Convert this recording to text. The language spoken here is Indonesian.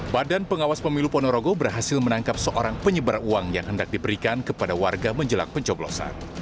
badan pengawas pemilu ponorogo berhasil menangkap seorang penyebar uang yang hendak diberikan kepada warga menjelang pencoblosan